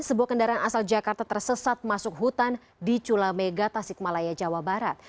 sebuah kendaraan asal jakarta tersesat masuk hutan di cula mega tasik malaya jawa barat